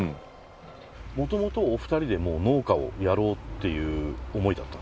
もともとお二人でもう農家をやろうっていう思いだったんですか？